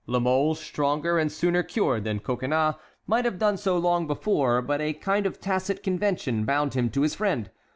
La Mole, stronger and sooner cured than Coconnas, might have done so long before, but a kind of tacit convention bound him to his friend.